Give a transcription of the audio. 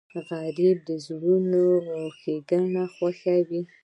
غریب د زړونو ښیګڼه خوښوي